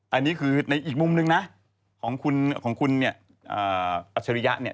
อันนี้คือในอีกมุมหนึ่งนะของคุณอัจฉริยะ